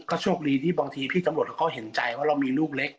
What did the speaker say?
โชคดีที่บางทีพี่ตำรวจเขาก็เห็นใจว่าเรามีลูกเล็ก